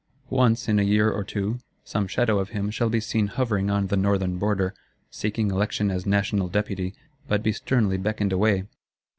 Once, in a year or two, some shadow of him shall be seen hovering on the Northern Border, seeking election as National Deputy; but be sternly beckoned away.